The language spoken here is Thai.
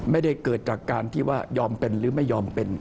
ไม่ได้เกิดจากการที่ว่ายอมเป็นหรือไม่ยอมเป็น